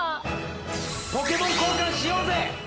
ポケモン交換しようぜ！